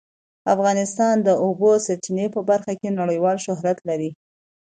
افغانستان د د اوبو سرچینې په برخه کې نړیوال شهرت لري.